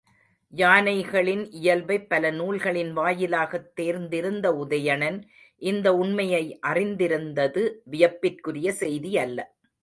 யானைகளின் இயல்பைப் பல நூல்களின் வாயிலாகத் தேர்ந்திருந்த உதயணன், இந்த உண்மையை அறிந்திருந்தது வியப்பிற்குரிய செய்தி அல்ல.